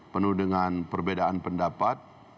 penuh dengan perbedaan pendapat